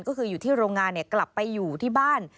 ก็คืออยู่ที่โรงงานกลับไปอยู่ที่บ้าน